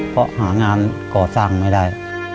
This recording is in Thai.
เพราะหางานก่อสร้างไม่ได้